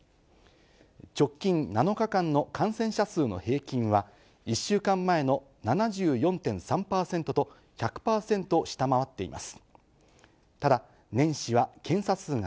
直近７日間の感染者数の平均は、１週間前の７４．３％と、１００％下回っています。